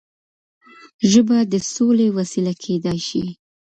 ژبه د سولې وسيله کيدای شي.